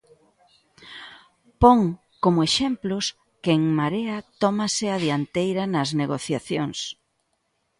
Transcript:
Pon, como exemplos, que En Marea tomase a dianteira nas negociacións.